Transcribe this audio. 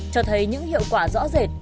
cho thấy những hiệu quả rõ rệt